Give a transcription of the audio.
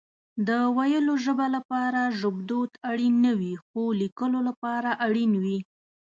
د ويلو ژبه لپاره ژبدود اړين نه وي خو ليکلو لپاره اړين وي